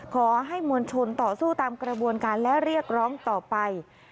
ขอให้มวลชนต่อสู้ตามกระบวนการและเรียกร้องต่อไป